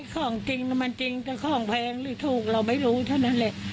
ของจริงมันจริงแต่ของแพงหรือถูกเราไม่รู้เท่านั้นแหละ